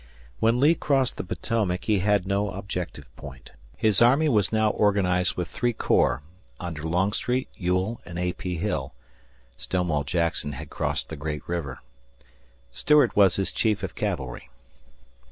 When Lee crossed the Potomac, he had no objective point. His army was now organized with three corps, under Longstreet, Ewell, and A. P. Hill Stonewall Jackson had crossed the Great River. Stuart was his Chief of Cavalry.